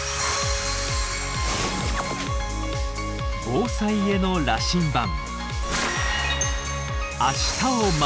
防災への羅針盤。